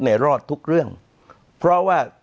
รอดทุกเรื่องเพราะว่า